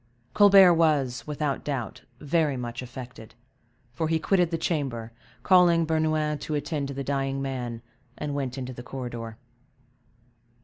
Colbert was, without doubt, very much affected, for he quitted the chamber, calling Bernouin to attend to the dying man, and went into the corridor.